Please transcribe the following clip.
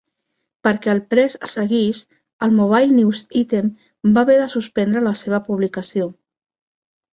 Perquè el "Press" seguís, el "Mobile News-Item" va haver de suspendre la seva publicació.